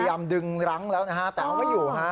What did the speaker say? ดึงรั้งแล้วนะฮะแต่เอาไม่อยู่ฮะ